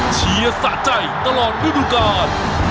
เชียสะใจตลอดนุดุกาล